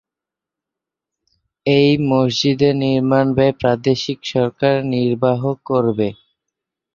এই মসজিদের নির্মাণব্যয় প্রাদেশিক সরকার নির্বাহ করবে।